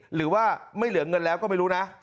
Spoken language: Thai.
หรือว่าไม่เหลือเงินแล้วก็ไม่รู้นะ